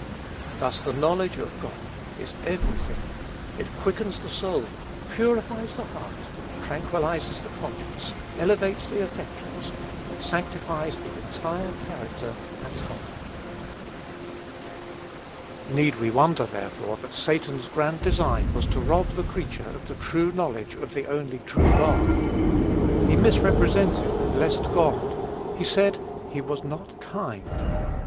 Thus the knowledge of God is every thing. It quickens the soul, purifies the heart, tranquillizes the conscience, elevates the affections, sanctifies the entire character and conduct. Need we wonder, therefore, that Satan's grand design was to rob the creature of the true knowledge of the only true God? He misrepresented the blessed God: he said he was not kind.